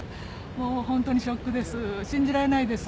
もう本当にショックです。